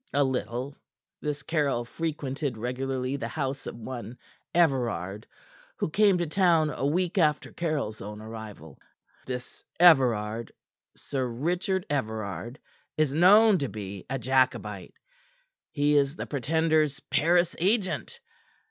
"A little. This Caryll frequented regularly the house of one Everard, who came to town a week after Caryll's own arrival. This Everard Sir Richard Everard is known to be a Jacobite. He is the Pretender's Paris agent.